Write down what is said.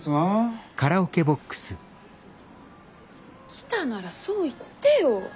来たならそう言ってよ。